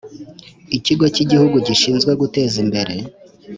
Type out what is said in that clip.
Kigo cy Igihugu gishinzwe Guteza Imbere